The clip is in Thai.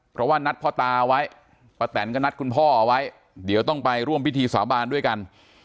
เพราะว่านัดพ่อตาไว้ป้าแตนก็นัดคุณพ่อเอาไว้เดี๋ยวต้องไปร่วมพิธีสาบานด้วยกัน